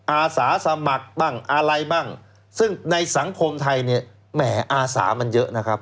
อาสาสมัครบ้างอะไรบ้างซึ่งในสังคมไทยเนี่ยแหมอาสามันเยอะนะครับ